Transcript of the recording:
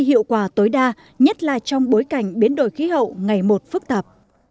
hiệu quả tối đa nhất là trong bối cảnh biến đổi khí hậu ngày một phức tạp